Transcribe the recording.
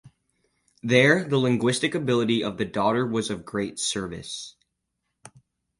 There the linguistic ability of the daughter was of great service.